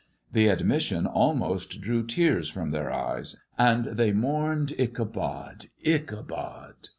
Ih mission almost drew tears from their eyes, aod mourned Ichabod ! Ichabod